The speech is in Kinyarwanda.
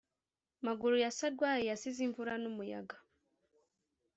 Maguru ya sarwaya yasize imvura n’umuyaga.